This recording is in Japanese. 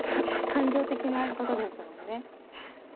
感情的なことですもんね。